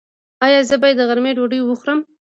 ایا زه باید د غرمې ډوډۍ وخورم؟